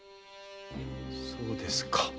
そうですか。